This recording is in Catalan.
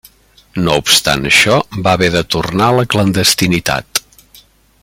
No obstant això va haver de tornar a la clandestinitat.